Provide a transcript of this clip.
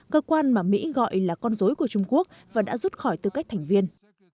cơ quan mà mỹ gọi là con dối của trung quốc và đã rút khỏi tư cách thành viên